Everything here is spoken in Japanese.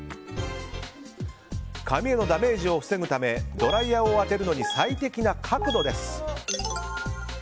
髪へのダメージを防ぐためドライヤーを当てるのに最適な角度です。